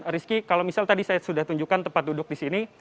rizky kalau misal tadi saya sudah tunjukkan tempat duduk di sini